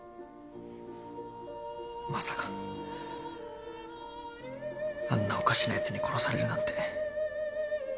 まさかあんなおかしなやつに殺されるなんて。